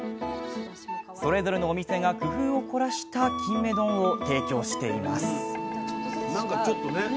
それぞれのお店が工夫を凝らしたキンメ丼を提供しています